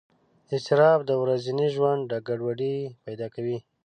اضطراب د ورځني ژوند ګډوډۍ پیدا کوي.